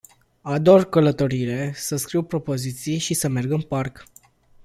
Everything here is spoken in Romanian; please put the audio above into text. Ador călătoriile, să scriu poezii și să merg în parc.